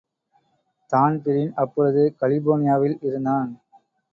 Dan Breen அப்பொழுது கலிபோர்னியாவில் இருந்தான்.